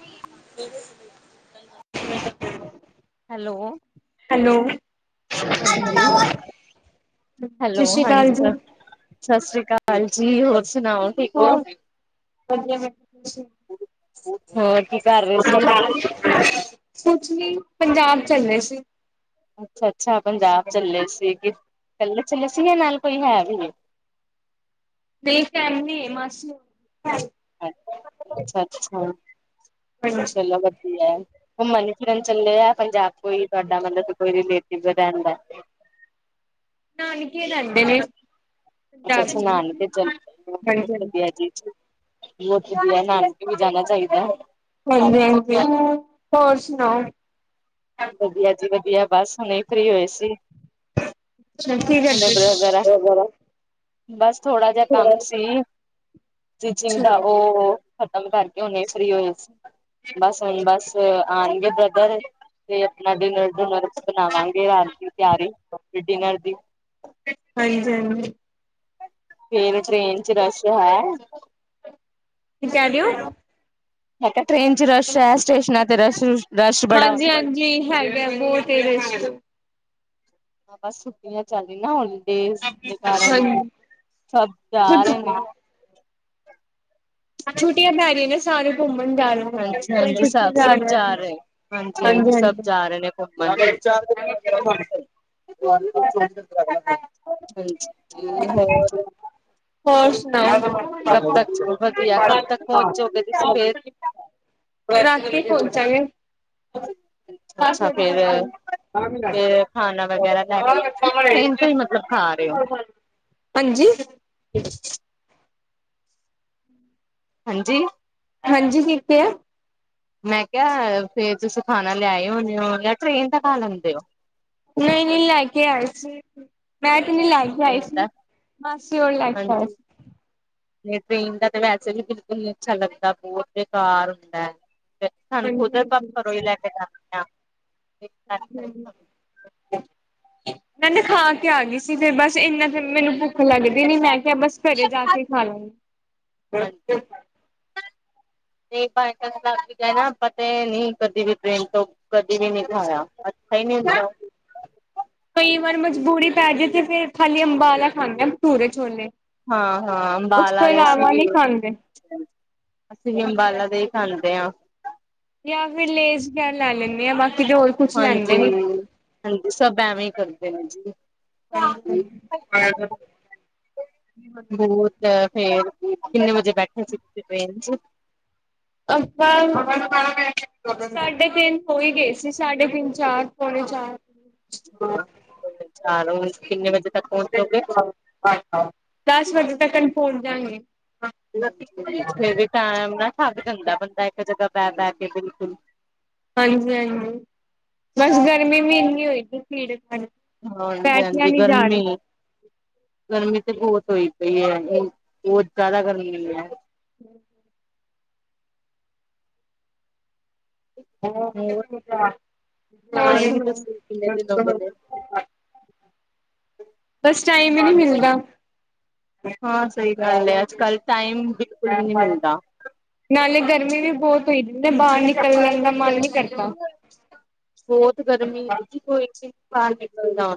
[inaudible] Hello. Hello, ਹਾਂਜੀ [unintelligible] ਸ਼ਸੀ਼ ਕਾਲ ਜੀ। ਸਸ੍ਰੀ ਕਾਲ ਜੀ, ਹੋਰ ਸੁਨਾਓ, ਠੀਕ ਓ? [unintelligible] ਕੁੱਛ ਹੋਰ ਕੀ ਕਰ ਰਹੇ ਸੀ ਨੀ, ਪੰਜਾਬ ਚੱਲੇ ਸੀ। ਅੱਛਾ, ਅੱਛਾ ਪੰਜਾਬ ਚੱਲੇ ਸੀ, ਕੱਲੇ ਚੱਲੇ ਸੀ ਯਾ ਨਾਲ ਕੋਈ ਹੈ ਵੀ ਨੇ? ਦੇਖ ਕੈਨੀ ਮਾਸੀ। ਅ ਅੱਛਾ, ਅੱਛਾ, ਹਾਂਜੀ ਚਲੋ ਵਦ ਦੀਐ, ਘੁੰਮਣ ਫਿਰਨ ਚੱਲੇ ਯਾ ਪੰਜਾਬ ਕੋਈ ਤੂਆਡਾ ਮਤਲਬ ਕੋਈ ਰਿਲੇਟਿਵ ਰੈਹੰਦੈ? ਨਾਨਕੇ ਰੈਂਦੇ ਨੇ। ਅੱਛਾ, ਪੰਜਾਬ ਚ ਅੱਛਾ ਨਾਨਕੇ ਚਲੇ ਓ, ਹਾਂਜੀ ਹਾਂਜੀ ਵਦੀਆ ਜੀ। ਬੋਤ ਵਦੀਆ, ਨਾਨਕੇ ਵੀ ਜਾਨਾ ਚਾਈਦੈ। ਹਾਂਜੀ, ਹਾਂਜੀ ਹੂ ਹੋਰ ਸੁਣਾਓ? ਵਦੀਆ ਜੀ ਵਦੀਆ, ਬਾੱਸ ਹੁਨੇ ਈ ਫ੍ਰੀ ਹੋਏ ਸੀ। [unintelligible] ਬਾੱਸ ਥੋੜਾ ਜਾ ਅੱਛਾ ਕਾੰਮ ਸੀ। ਸਟੀਚਿੰਗ ਦਾ ਓ ਖ਼ਤਮ ਕਾਰਕੇ ਹੁਨੇ ਫ੍ਰੀ ਹੋਈ ਸੀ, ਬਾੱਸ ਹੁਨ ਬਾੱਸ। ਆਨਗੇ ਬ੍ਰਦਰ ਤੇ ਅਪਨਾ ਡਿਨਰ ਡੁਨਰ ਬਨਾਵਾਂਗੇ ਰਾਤ ਦੀ ਤਿਆਰੀ, ਡਿਨਰ ਦੀ। ਹਾਂਜੀ, ਹਾਂਜੀ। ਫੇਰ ਟ੍ਰੇਨ ਚ ਰੱਸ਼ ਹੈ? ਕੀ ਕੈਰੇ ਓ? ਮੈਂ ਕੇਆ ਟ੍ਰੇਨ ਚ ਰਸ਼ ਹੈ, ਸਟੇਸ਼ਨਾਂ ਤੇ ਰਸ਼ੱ ਰੂਸ਼? ਹਾਂਜੀ, ਹਾਂਜੀ ਹੈਗੇ ਬੋਤ ਏ ਰਸ਼। ਹਾਂ ਬਾਸ ਛੁੱਟੀਆਂ ਚੱਲਰੀ ਨਾ, ਹੋਲੀਡੇਜ਼ ਦੇ ਕਾਰਨ ਹਾਂਜੀ ਸਬ ਜਾ ਰੇ ਨੇ। ਛੁੱਟੀਆਂ ਪੈ ਗੀਆਂ ਨੇ ਸਾਰੇ ਘੁੰਮਣ ਜਾ ਰਹੇ ਨੇ, ਹਾਂਜੀ, ਕੋਈ ਹਾਂਜੀ ਸਾ ਕਿੱਥੇ ਸਬ ਰਿਹਾ ਜਾ ਸੀ। ਰੇ, ਹਾਂਜੀ, ਹਾਂਜੀ ਸਬ ਜਾ ਰੇ ਨੇ। [unintelligible] [unintelligible] ਹੋਰ? ਹੋਰ ਸੁਨਾਓ? ਕਬ ਤੱਕ ਵਧੀਆ ਕਬ ਤੱਕ ਪਹੁੰਚੋਗੇ ਤੁਸੀਂ ਫੇਰ [unintelligible] ਰਾਤੀ ਪੋਂਚਾਗੇ। ਦਾੱਸ ਅੱਛਾ ਵਜੇ ਫੇਰ ਤਕਨ। ਫੇਰ ਖਾਣਾ ਵਗੈਰਾ ਲੈ ਕੇ ਟ੍ਰੇਨ [unintelligible] ਹਾਂਜੀ। ਹਾਂਜੀ। ਹਾਂਜੀ, ਕੀ ਕੇਐ? ਮੈਂ ਕੇਆ ਫੇਰ ਤੂਸੀ ਖਾਨਾ ਲੇਆਏ ਓ ਨਾਲ, ਟ੍ਰੇਨ ਦਾ ਖਾ ਲੈਂਦੇ ਓ? ਨਈ ਨਈ ਲੈ ਕੇ ਆਏ ਸੀ। ਮੈਂ ਤੇ ਨੀ ਲੈ ਕੇ ਆਈ ਟ੍ਰੇਨ ਸੀ ਦਾ ਮਾਸੀ ਹੋਰ ਲੈ ਕੇ ਆਏ ਹਾਂਜੀ ਸੀ। ਟ੍ਰੇਨ ਦਾ ਤੇ ਵੈਸੇ ਵੀ ਬਿਲਕੁੱਲ ਨੀ ਅੱਛਾ ਲੱਗਦਾ ਬੋਤ ਬੇਕਾਰ ਹੁੰਦੈ। ਸਾਨੂੰ ਹਾਂਜੀ ਖੁਦ ਆਪਾਂ ਹਾਂਜੀ। ਘਰੋਂ ਹੀ [inaudible] ਲੈ ਕੇ ਜਾਂਦੇ ਆ। ਹੂੰ ਹੂੰ। ਮੈਂ ਨਾ ਖਾ ਕੇ ਆਗੀ ਸੀ ਫਿਰ ਬੱਸ ਇੰਨਾ ਤੇ ਮੈਨੂੰ ਭੁ ਖ ਲੱਗਦੀ ਨੀ ਮੈਂ ਕਿਆ ਬਸ ਘਰੇ ਜਾ ਕੇ ਖਾ ਲਾਂਗੀ। ਹਾਂਜੀ [inaudible] ਨੀ ਕਦੇ ਵੀ ਟ੍ਰੇਨ ਤੋਂ। ਕਦੀ ਨੀ ਖਾਇਆ ਅੱਛਾ ਈ ਨੀ ਹੁੰਦਾ। ਕਈ ਵਾਰ ਮਜਬੂਰੀ ਪੈਜੇ ਤੇ ਫੇਰ ਖਾਲੀ ਅੰਬਾਲਾ ਖਾਂਦੇ ਪਟੁਰੇ ਛੋਲੇ। ਹਾਂ ਹਾਂ ਉਸ ਤੋਂ ਅੰਬਾਲਾ ਤੇ ਅਸੀੇ ਇਲਾਵਾ ਵੀ। ਨਹੀਂ ਖਾਂਦੇ। [unintelligible] ਅਸੀਂ ਵੀ ਅੰਬਾਲਾ ਦੇ ਈ ਖਾਂਦੇ ਆ। ਜਾਂ ਫਿਰ ਲੇਜ ਗੇਲ ਲੈ ਲੈਂਨੇ ਆ ਬਾਕੀ ਜੋ ਹੋਰ ਕੁਛ ਹਾਂਜੀ ਲੈਂਦੇ ਨੀ। ਹਾਂਜੀ ਸਭ ਐਵੇਂ ਈ ਕਰਦੇ ਨੇ ਜੀ। [inaudible] [unintelligible] ਤੇ ਫੇਰ ਕਿੰਨੇ ਵਜੇ ਬੈਠੇ ਸਈ ਤੁਸੀ ਟ੍ਰੇਨ ਚ। ਆਪਾ। [inaudible] ਸਾਢੇ ਤਿੰਨ ਹੋਈ ਗਏ ਸੀ ਸਾਢੇ ਤਿੰਨ ਚਾਰ ਪੌਣੇ ਚਾਰ। [unintelligible] ਕਿੰਨੇ ਵਜੇ। ਤੱਕ ਪਹੁੰਚੋਗੇ? ਦਸ ਵਜੇ ਤੱਕਨ ਪੌਚ ਜਾਗੇ। ਫੇ ਵੀ ਟਮ ਨਾ ਥੱਕ ਜਂਦਾ ਬੰਦਾ ਇੱਕ ਜਗ੍ਹਾ ਬੈ ਬਹਿ ਕੇ ਬਿਲਕੁਲ। ਹਾਂਜੀ ਹਾਂਜੀ ਬਸ ਗਰਮੀ ਵੀ ਇੰਨੀ ਹੋਈ ਸੀ ਭੀੜ। ਹਾਂ ਹਾਂਜੀ ਬੈਠਿਆ ਹਾਂਜੀ ਨੀ ਜਾ ਗਰਮੀ। ਰਿਹਾ ਗਰਮੀ ਤੇ ਬਹੁਤ ਹੋਈ ਪਈ ਹੈ ਬਹੁਤ ਜ਼ਿਆਦਾ ਗਰਮੀ ਹੈ। ਹਮ। ਹੋਰ ਆਏ ਨੀ ਤੁਸੀਂ ਕਿੰਨੇ ਦਿਨ ਹੋ ਗਏ ਨੇ। [unintelligible] ਬਸ ਟਾਈਮ ਹੀ ਨੀ ਮਿਲਦਾ। ਹਾਂ ਸਹੀ ਗੱਲ ਹੈ ਅੱਜ ਕੱਲ ਟਾਈਮ। ਵੀ ਹਹ ਨਹੀਂ ਹ। ਮਿਲਦਾ ਨਾਲੇ ਗਰਮੀ ਵੀ ਬੋਤ ਹੋਈ ਤੇ ਬਾਹਰ ਨਿਕਲਣ ਦਾ ਮਨ ਨੀ ਕਰਦਾ। ਬੋਤ ਗਰਮੀ ਕੋਈ ਨਹੀ ਬਾਹਰ ਨਿਕਲਦਾ। [inaudible]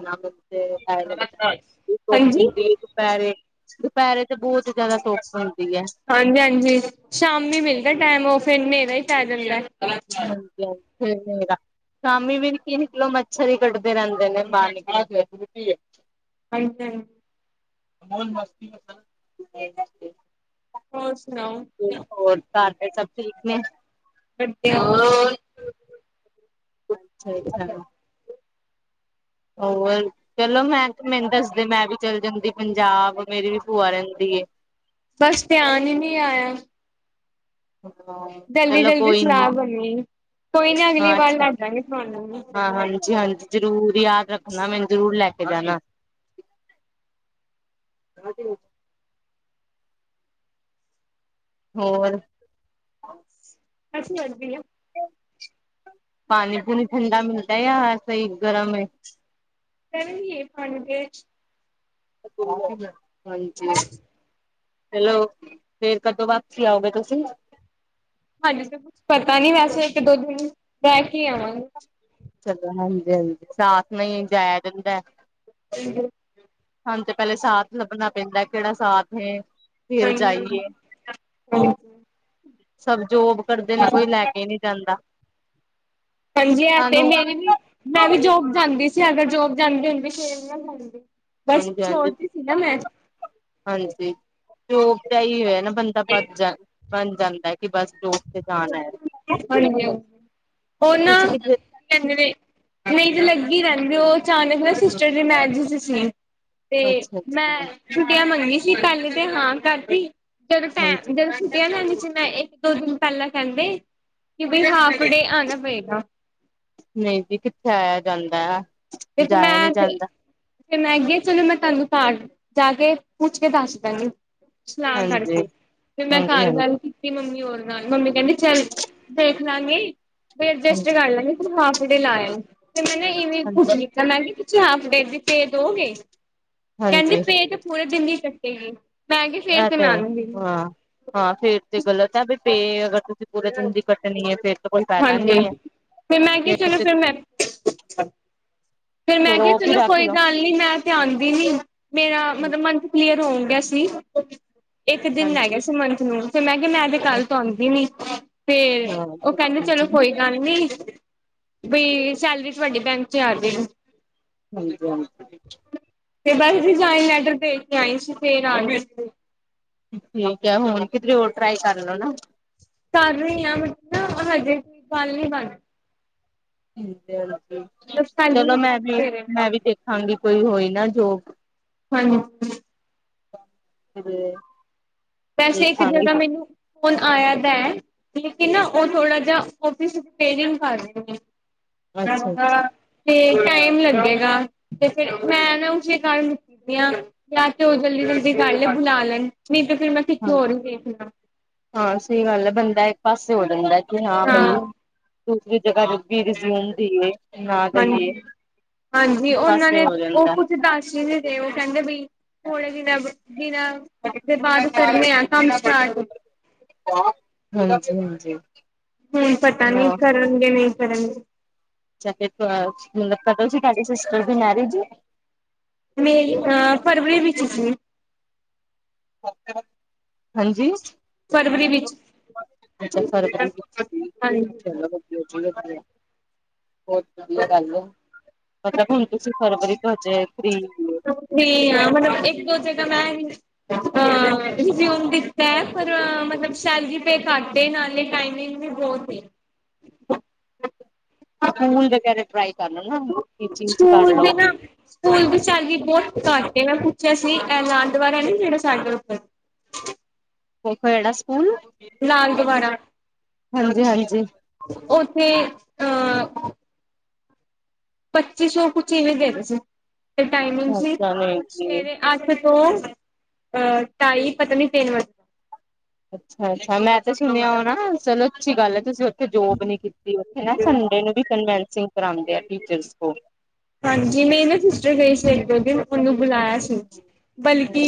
ਹਾਂਜੀ। [inaudible] ਦਪੈਰੇ। ਦੁਪੈਰੇ ਤੇ ਬੋਤ ਜਾਦਾ ਧੁੱਪ ਹੁੰਦੀ ਐ। ਹਾਂਜੀ ਹਾਂਜੀ ਸ਼ਾਮੀ ਮਿਲਦਾ ਟੈਮ ਓ ਫੇਰ ਨੇਰਾ ਹੀ ਪੈ ਜਾਂਦੈ। [inaudible] ਸ਼ਾਮੀ ਵੀ [unintelligible] ਨਿਕਲੋ ਮੱਛਰ ਈ ਕੱਟਦੇ ਰੈਂਦੇ ਨੇ ਬਾਰ ਨਿਕਲਦੇ। ਹਾਂਜੀ ਹਾਂ। [inaudible] ਹੋਰ ਸੁਣਾਓ। ਹੋਰ ਘਾਰ ਸਭ ਠੀਕ ਨੇ। ਹਾਂ। ਅੱਛਾ ਅੱਛਾ। ਹੋਰ। ਚਲੋ ਮੈਂ ਮੈਨੂੰ ਦੱਸਦੇ ਮੈਂ ਵੀ ਚੱਲ ਜਾਂਦੀ ਪੰਜਾਬ ਮੇਰੀ ਵੀ ਭੂਆ ਰਹਿੰਦੀ ਏ। ਬਸ ਧਿਆਨ ਹੀ ਨਹੀਂ ਆਇਆ। ਚਲੋ ਜਲਦੀ-ਜਲਦੀ ਕੋਈ ਨੀ। ਸਲਾਹ ਬਣੀ ਕੋਈ ਨਾ ਹਾਂ ਅਗਲੀ ਵਾਰ ਲੱਗ ਜਾਗੇ ਤੁਹਾਨੂੰ ਹਾਂ ਹਾਂਜੀ ਹਾਂਜੀ। ਜ਼ਰੂਰ ਯਾਦ ਰੱਖਣਾ ਮੈਨੂੰ ਜ਼ਰੂਰ ਲੈ ਕੇ ਜਾਣਾ। ਹਾਂਜੀ। ਹੋਰ। ਅਸੀ ਲੜਦੇ ਆਂ। ਪਾਣੀ- ਪੂਣੀ, ਠੰਡਾ ਮਿਲਦਾ ਹੈ, ਜਾ ਸਹੀ ਗਰਮ ਹੈ? ਗਰਮ ਈ, ਪਾਣੀ ਤੇ। [unintelligible] ਹੈਲੋ, ਫੇਰ ਕਦੋਂ ਵਾਪਸੀ ਆਉਗੇ, ਤੁਸੀਂ? ਹਜੇ ਤੇ ਕੁਛ ਪਤਾ ਨੀ, ਵੈਸੇ ਇੱਕ ਦੋ, ਦਿਨ ਰਹਿ ਕੇ ਆਵਾਂਗੇ। ਚਲੋ, ਹਾਂਜੀ- ਹਾਂਜੀ ਸਾਥ ਨਾਲ ਈ ਜਾਇਆ ਜਾਂਦਾ। ਸਹੀ ਗੱਲ। ਹੁਣ ਤੇ ਪਹਿਲੇ, ਸਾਫ ਲੱਭਣਾ ਪੈਂਦਾ, ਕਿਹੜਾ ਸਾਫ ਹੈ? ਫਿਰ ਹਮਮ, ਜਾਈਏ ਹੋਰ ਸਭ, ਜੋਬ ਕਰਦੇ ਨੇ, ਕੋਈ ਲੈ ਕੇ ਨਹੀਂ ਜਾਂਦਾ। ਹਾਂਜੀ, ਆ ਤੇ, ਸਾਨੂੰ ਮੇਰੀ ਵੀ ਮੈਂ ਵੀ ਜੋਬ ਜਾਂਦੀ ਸੀ, ਅਗਰ ਜੋਬ ਜਾਂਦੀ ਹੁੰ [unintelligible] ਬਸ ਹਾਂਜੀ ਹਾਂਜੀ ਛੋੜਤੀ ਸੀ ਨਾ ਮੈਂ। ਹਾਂਜੀ, ਜੋਬ ਦਾ ਇਹੀ ਨਾ, ਬੰਦਾ ਬੱਝ ਜਾਂਦਾ। ਬਣ ਜਾਂਦਾ, ਕਿ ਬਸ ਜੋ ਹਾਂਜੀ, ਉਹ ਨਾ ਤੁਸੀਂ ਕਿੱਥੇ ਕਹਿੰਦੇ ਨੇ ਨਹੀਂ ਤੇ ਲੱਗੀ ਰਹਿੰਦੀ, ਉਹ ਅਚਾਨਕ ਨਾ ਸਿਸਟਰ ਦੀ ਮੈਰਿਜ ਚ ਸੀ। ਤੇ ਅੱਛਾ ਅੱਛਾ ਮੈਂ ਛੁੱਟੀਆਂ ਮੰਗੀ ਸੀ, ਪਹਿਲੇ ਤੇ ਹਾਂ ਕਰਤੀ, ਜਦੋਂ ਟੈ, ਹਾਂਜੀ ਜਦੋਂ ਛੁੱ ਇੱਕ ਦੋ ਦਿਨ ਪਹਿਲਾਂ ਕਹਿੰਦੇ, ਕਿ ਬਈ ਹਾਫ ਡੇ ਆਉਣਾ ਪਏਗਾ। ਨਹੀਂ ਜੀ, ਕਿੱਥੇ ਆਇਆ ਜਾਂਦਾ? ਦੇਖੋ ਜਾਇਆ ਮੈਂ, ਨਹੀਂ ਤੇ ਜਾਂਦਾ ਫੈ ਮੈਂ ਕਿਹਾ ਚਲੋ, ਮੈਂ ਤੁਹਾਨੂੰ ਘਰ ਜਾ ਕੇ, ਪੁੱਛ ਕੇ ਦੱਸ ਦਾਂਗੀ।। ਸਲਾਹ ਹਾਂਜੀ ਕਰਕੇ, ਤੇ ਮੈਂ ਹਾਂਜੀ ਘਰ ਹਾਂਜੀ ਗੱਲ ਕੀਤੀ। ਮੰਮੀ ਹੋਰ ਨਾਲ, ਮੰਮੀ ਕਹਿੰਦੀ, ਚੱਲ ਦੇਖ ਲਾਂਗੇ ਵੀ ਅਡਜਸਟ ਹਾਂਜੀ ਕਰ ਲਾਂਗੇ। ਹਾਫ ਡੇ ਲਾ ਆਈ, ਤੇ ਮੈਂ ਨਾ ਇਵੇਂ ਕੁਛ ਹਾਂਜੀ [unintelligible] ਤੁਸੀਂ ਹਾਫ ਡੇ ਦੀ ਪੇ ਦੋਗੇ, ਕਹਿੰਦੀ ਹਾਂਜੀ ਪੇ ਤੇ ਪੂਰੇ ਦਿਨ ਦੀ ਕੱਟੇਗੀ। ਮੈਂ ਕਿਹਾ ਫੇਰ ਇਹ ਮੈਂ ਤੇ ਹੈ, ਆਉਂਗੀ। ਹਾਂ। ਹਾਂ, ਫੇਰ ਤੇ ਗ਼ਲਤ ਹੈ, ਬਈ ਪੇ ਅਗਰ ਤੁਸੀਂ ਪੂਰੇ ਦਿਨ ਦੀ ਕੱਟਣੀ ਹੈ। ਫੇਰ ਤਾਂ ਕੋਈ ਫਾਇਦਾ ਨਹੀ ਹੈ। ਫੇਰ, ਮੈਂ ਕਿਹਾ, ਫ ਚਲੋ ਫਿਰ ਮੈਂ ਫਿਰ ਮੈਂ ਫੇਰ ਕਿਹਾ, ਉਹ ਵੀ ਚਲੋ ਰੱਖ ਕੋਈ ਲਓ ਗੱਲ ਨੀ, ਮੈਂ ਤੇ ਆਉਂਦੀ ਨਹੀ, ਮੇਰਾ ਮਤਲਬ ਹਾਂਜੀ ਮੰਥ ਕਲੀਅਰ ਹੋਣ ਗਿਆ ਸੀ, ਇੱਕ ਹਾਂ ਦਿਨ ਰਹਿ ਗਿਆ ਸੀ, ਮੰਥ ਨੂੰ। ਫੇਰ ਮੈਂ ਕਿਹਾ, ਮੈਂ ਤੇ ਕੱਲ ਤੋਂ ਆਉਂਦੀ ਨੀ, ਫੇਰ ਉਹ ਕਹਿੰਦੇ, ਬਿਲਕੁਲ ਚਲੋ ਜੀ ਕੋਈ ਗੱਲ ਨੀ, ਬਈ ਸੈਲਰੀ ਤੁਹਾਡੇ ਬੈਂਕ ਚ ਆ, ਜੇ ਗੀ। ਹਾਂਜੀ -ਹਾਂਜੀ। ਤੇ, ਬਸ ਜੀ, ਜੁਆਇਨ ਲੈਟਰ ਭੇਜ ਕੇ ਆਈ ਸੀ, ਫੇਰ ਆ ਗਏ ਸੀ, ਗੇ। ਠੀਕ ਹੈ, ਹੁਣ ਕਿਧਰੇ ਹੋਰ ਟਰਾਈ ਕਰ ਲੋ ਨਾ। ਕਰ ਰਹੀ ਹਾਂ, ਮਤਲਬ, ਹਜੇ ਗੱਲ ਨੀ ਬਣ ਠੀਕ ਹੈ ਹਾਂਜੀ, ਮਤਲਬ ਚਲੋ ਸੈਲਰੀ ਮੈਂ ਘੱਟ ਵੀ, ਦੇ ਰਹੇ ਨੇ ਮੈਂ ਵੀ ਦੇਖਾਂਗੀ, ਕੋਈ ਹੋਈ ਨਾ ਜੋਬ ਹਾਂਜੀ। [inaudible] ਵੈਸੇ, ਇੱਕ ਦੇਖਾਂਗੀ। ਜਗ੍ਹਾ, ਮੈਨੂੰ ਫੋਨ ਆਇਆ ਤਾਂ ਹੈ। ਲੇਕਿਨ ਨਾ ਉਹ ਥੋੜਾ ਜਿਹਾ ਆਫਿਸ ਰਿਪੇਅਰਿੰਗ ਕਰ ਰਹੇ ਨੇ। ਅੱਛਾ, ਤੇ ਟਾਈਮ ਲੱਗੇਗਾ, ਤੇ ਫਿਰ ਮੈਂ ਨਾ, ਉਸੇ ਕਾਰਨ ਯਾ ਤੇ, ਉਹ ਜਲਦੀ-ਜਲਦੀ ਕਲ ਈ ਬੁਲਾ ਲੈਣ, ਨਹੀਂ ਤੇ ਫੇਰ ਮੈਂ, ਕਿਤੇ ਹਾਂਜੀ ਹੋਰ ਹੀ ਵੇਖ ਲਾ। ਹਾਂ, ਸਹੀ ਗੱਲ ਹੈ। ਬੰਦਾ ਇੱਕ ਪਾਸੇ ਹੋ ਜਾਂਦਾ ਕਿ, ਹਾਂ ਬਾਈ ਦੂਸਰੀ ਜਗ੍ਹਾ ਵੀ, ਰਿਜ਼ਿਊਮ ਦੇਈਏ ਨਾ, ਦਈਏ। ਹਾਂਜੀ ਹਾਂਜੀ, ਉਹਨਾਂ ਨੇ ਉਹ ਕੁਛ [unintelligible] ਤੇ ਉਹ ਕਹਿੰਦੇ ਬੀ, ਥੋੜੇ ਦਿਨਾਂ ਦਿਨਾਂ ਦੇ ਬਾਅਦ ਕਰਨੇ ਆ ਕੰਮ ਸਟਾਰਟ। ਹਾਂਜੀ-ਹਾਂਜੀ। ਹੂਨ ਪਤਾ ਨੀ ਕਰਨਗੇ ਨਈ ਕਰਨਗੇ। ਅੱਛਾ, [unintelligible] ਸਿਸਟਰ ਦੀ ਮੈਰੇਜ ਏ। ਮੇਰੀ ਹਾਂ, ਫਰਵਰੀ ਵਿੱਚ ਸੀ। ਹਾਂਜੀ। [inaudible] [inaudible] ਫਰਵਰੀ ਵਿੱਚ ਹਾਂਜੀ ਵਦੀਆ ਗਾੱਲ ਐ, ਮਤਲਬ ਹੁਨ ਤੁਸੀਂ ਫਰਵਰੀ ਤੋਂ [unintelligible] [unintelligible] ਏਕ ਦੋ ਜਗਾ ਮੈਂ ਹਾਂ ਰਿਜ਼ਊਮ ਦਿੱਤਾ ਹੈ। ਪਰ ਮਤਲਬ ਸ਼ੈਲਰੀ ਪਏ ਘੱਟ ਏ, ਨਾਲੇ ਟਾਈਮਿੰਗ ਵੀ [unintelligible] ਸਕੂਲ ਦੇ ਕੈ ਟ੍ਰਾਈ ਕਾਰ ਲੋ, ਟੀਚਿੰਗ ਚ ਕਰ ਸਕੂਲ ਲਓ। ਦੇ ਨਾ ਸਕੂਲ ਦੀ ਸੈਲਰੀ ਬੋਤ ਘੱਟ ਏ, ਮੈ ਪੁਛੇਆ ਸੀ ਐ ਲਾਲ ਦਵਾਰਾ ਨੀ ਜੇੜਾ ਸਾਡੇ ਓਥੇ। ਕੋਏ ਕੇੜਾ ਸਕੂਲ। ਲਾਲ ਦਵਾਰਾ, ਹਾਂਜੀ ਹਾਂਜੀ ਓਥੇ ਅ ਪੱਚੀ ਸੋ ਕੁਛ ਇਵੇਂ ਦੇਰੇ ਸੀ, ਤੇ ਟਾਈਮਿੰਗ ਸੀ ਅੱਛਾ ਨਹੀਂ ਜੀ ਸਵੇਰੇ ਆੱਠ ਤੋ ਅ, ਢਾਈ ਪਤਾ ਨੀ ਤੇਨ ਵਜੇ ਤੱਕ। ਅੱਛਾ-ਅੱਛਾ, ਮੈਂ ਤੇ ਸੁਨੇਆ ਹੋਨਾ ਚਲੋ ਅੱਛੀ ਗਾਲ ਐ ਤੁਸੀ ਕੋਈ ਜੋਬ ਨੀ ਕੀਤੀ ਓਥੇ ਹੈਂ, ਸੰਡੇ ਨੂੰ ਵੀ [unintelligible] ਕਰਵਾਓਣ ਗੇਆ ਟੀਚਰਸ ਕੋਲ। ਹਾਂਜੀ, ਮੇਰੀ ਨਾ ਸਿਸਟਰ ਗਈ ਸੀ ਏਕ ਦੋ ਦਿਨ ਓਨੂੰ ਬੁਲਾਏਆ ਸੀ, ਬਲਕਿ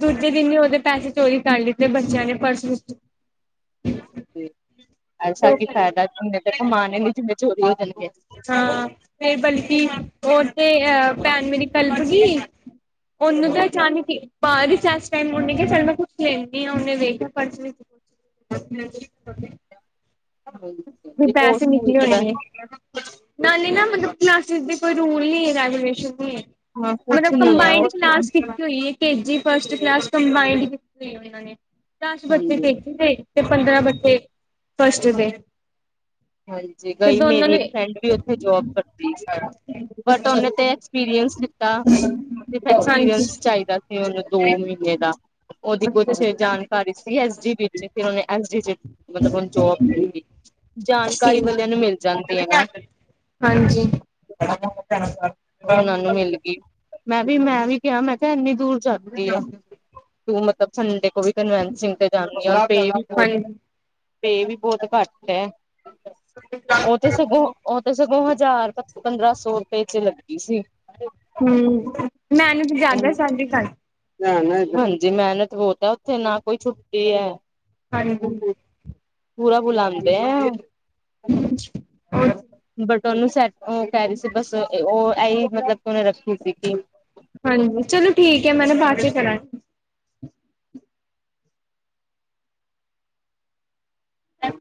ਦੂਜੇ ਦਿਨ ਈ ਓਦੇ ਪੈਸੇ ਚੋਰੀ ਕਰ ਲਿਤੇ ਬੱਚੇਆਂ ਨੇ ਪਰਸ ਵੀਚੋ। ਤੇ ਐਸਾ ਕੀ ਫੈਦਾ, ਓਨੇ ਤਾ ਕਮਾਨੇ ਨਈ ਜਿੰਨੇ ਚੋਰੀ ਹੋ ਜਾਨਗੇ। ਹਾਂ, ਫੇਰ ਬਲਕਿ ਹੋਰ ਤੇ ਅ ਭੈਨ ਮੇਰੀ ਕੱਲਪਗੀ ਹਾਂਜੀ [inaudible] [unintelligible] ਫ ਹਾਂਜੀ ਉਹ ਪੈਸੇ ਸਕੂਲ ਨਿਕਲੇ ਤੇ ਹੋਏਂਗੇ ਵੈਸੇ ਨਾਲੇ ਨਾ ਮਤਲਬ ਕਲਾਸਿਸ ਦੀ ਕੋਈ ਰੂਲ ਨੀ ਐ ਰੈਗੂਲੇਸ਼ਨ ਨਈ ਹੈਗੇ। ਹਾਂ ਕੁਛ ਮਤਲਬ ਨੀ ਹੈ ਉਹ ਕੰਬਾਈੰਡ ਸਕੂਲ ਕਲਾਸ ਕਿੱਤੀ ਹੋਈ ਏ। ਕੇਜੀ ਫਸਟ ਕਲਾਸ ਕੰਬਾਇੰਡ ਕਿੱਤੀ ਹੋਈ ਏ ਓਨਾ ਨੇ, ਦਾਸ ਬੱਚੇ ਹਾਂਜੀ ਕੇ ਜੀ ਦੇ ਤੇ ਪੰਦਰਾਂ ਬੱਚੇ, ਫਸਟ ਦੇ। ਹਾਂਜੀ, ਤੇ ਗਈ ਦੋਨਾਂ ਮੇਰੀ ਨੇ ਇੱਕ ਫਰੈਂਡ ਵੀ ਓਥੇ ਜੋਬ ਕਰਦੀ ਸੀ ਨਾ ਬਟ ਓਨੇ ਤੇ ਪੀਰੀਅੰਸ ਲੀਤਾ, ਇੱਕ ਹਾਂਜੀ। ਅਕਸਪੀਰੀਅੰਸ ਚਾਈਦਾ ਸੀ ਓਨੂੰ ਦੋ ਮ੍ਹੀਨੇ ਦਾ। ਓਦੀ ਕੁਛ ਹਾਂਜੀ ਜਾਣਕਾਰੀ ਸੀ ਐਸ ਡੀ ਵਿੱਚ, ਤੇ ਓਨੇ ਐਸ ਡੀ ਚ ਮਤਲਬ ਓਨੂ ਜੋਬ ਮਿਲ ਗੀ। ਹੂੰ, ਹੈ ਨਾ ਹਾਂਜੀ। ਓਨਾਂ ਨੂੰ ਮਿਲ ਗੀ, ਮੈਂ ਵੀ-ਮੈਂ ਵੀ ਕੇਆ ਐਨੀ ਦੂਰ ਜਾਂਦੀ ਏ ਓ। ਤੂੰ ਮਤਲਬ ਸੰਡੇ ਕੋ [unintelligible] ਪੇ ਵੀ ਬੋਤ ਘਾੱਟ ਐ। [inaudible] ਓ ਤੇ ਸਗੋਂ, ਓ ਤੇ ਸਗੋਂ ਹਜਾਰ ਪੰਦਰਾਂ ਸੋ ਰਪੇ ਚ ਲੱਗੀ ਸੀ। ਹੂੰ, ਮੈਨਤ ਜਾਦਾ ਸੈਲਰੀ ਘਾਟ। ਹਾਂਜੀ, ਮੈਨਤ ਬੋਤ ਐ ਓਥੇ ਨਾ ਕੋਈ ਛੁੱਟੀ ਐ। ਹਾਂਜੀ। ਪੂਰਾ ਬੁਲਾਂਦੇ ਆ। ਓਨੂੰ ਸੈਟ ਓ ਕੈ ਰਈ ਸੀ, ਬਸ ਓ ਆਈ ਮਤਲਬ ਓਨੇ ਰੱਖੀ ਹੋਈ ਸੀ ਕਿ? ਹਾਂਜੀ, ਚਲੋ ਠੀਕ ਏ ਮੈਂ ਨਾ ਬਾਚੋ ਕਰਾਂ